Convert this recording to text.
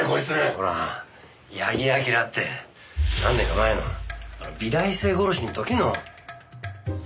ほら矢木明って何年か前のあの美大生殺しの時の。